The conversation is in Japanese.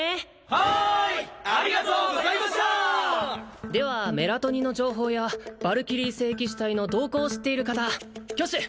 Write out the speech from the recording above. はーいありがとうございましたーではメラトニの情報やヴァルキリー聖騎士隊の動向を知っている方挙手！